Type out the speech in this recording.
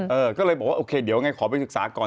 เออก็เลยบอกว่าโอเคเดี๋ยวไงขอไปศึกษาก่อน